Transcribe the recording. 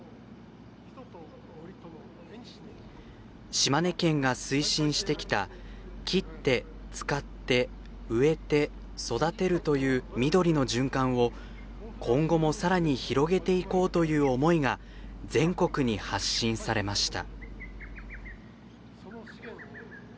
島根県が推進してきた「伐って、使って、植えて、育てる」という「緑の循環」を今後も、さらに広げていこうという思いが全国に発信されました。